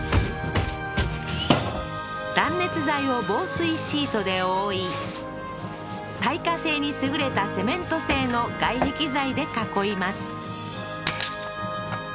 断熱材を防水シートで覆い耐火性に優れたセメント製の外壁材で囲います